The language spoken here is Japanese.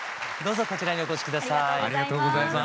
ありがとうございます。